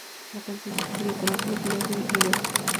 La canción se incluyó en la película "Billy Elliot".